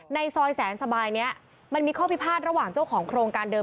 ในซอยแสนสบายนี้มันมีข้อพิพาทระหว่างเจ้าของโครงการเดิ